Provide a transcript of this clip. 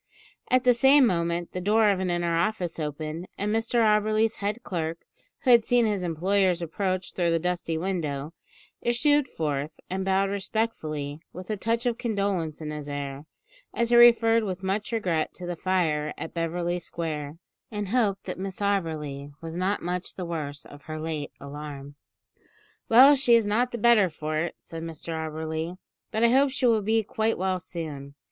At the same moment the door of an inner office opened, and Mr Auberly's head clerk, who had seen his employer's approach through the dusty window, issued forth and bowed respectfully, with a touch of condolence in his air, as he referred with much regret to the fire at Beverly Square, and hoped that Miss Auberly was not much the worse of her late alarm. "Well, she is not the better for it," said Mr Auberly; "but I hope she will be quite well soon.